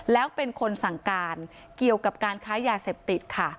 แล้วเป็นคนสั่งการเกี่ยวกับการค้ายาเสพติดค่ะ